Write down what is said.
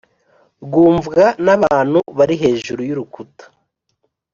rwumvwa n’abantu bari hejuru y’urukuta.»